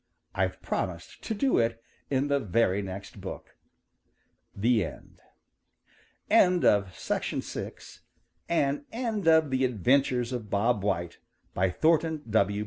I've promised to do it in the very next book. THE END End of Project Gutenberg's The Adventures of Bob White, by Thornton W.